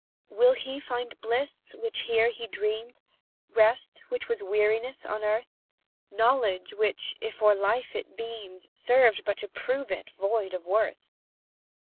"Will he find bliss, which here he dreamed? Rest, which was weariness on earth? Knowledge, which, if o'er life it beamed, Served but to prove it void of worth?